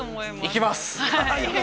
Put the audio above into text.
◆行きます！